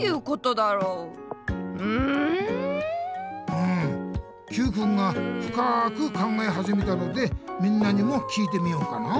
うんＱくんがふかく考えはじめたのでみんなにも聞いてみようかな。